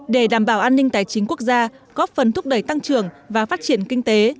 để đảm bảo an ninh tài chính quốc gia góp phần thúc đẩy tăng trưởng và phát triển kinh tế